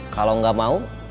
kalau gak mau